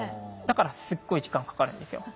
だからすっごい時間かかるんですよ。